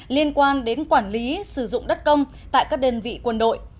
liên quan đến quản lý sử dụng đất công tại các đơn vị quân đội